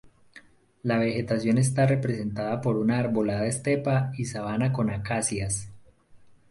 La vegetación está representada por una arbolada estepa y sabana con acacias.